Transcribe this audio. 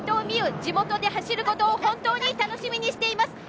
地元で走ることを本当に楽しみにしています。